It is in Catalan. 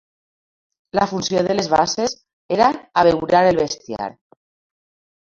La funció de les basses era abeurar el bestiar.